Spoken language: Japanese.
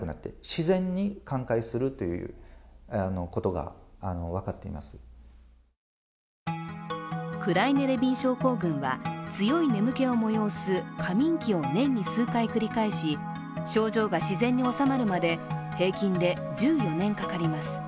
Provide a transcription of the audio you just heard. ひろと君の主治医で睡眠医学を専門とする医師によるとクライネ・レビン症候群は強い眠気を催す過眠期を年に数回繰り返し、症状が自然に収まるまで平均で１４年かかります。